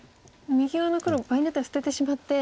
右側の黒場合によっては捨ててしまって。